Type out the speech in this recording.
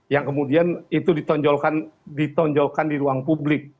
yang kemudian itu ditonjolkan di ruang publik